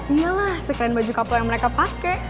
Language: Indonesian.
inyalah sekeren baju kapol yang mereka pake